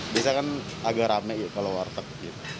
biasanya kan agak rame kalau warteg gitu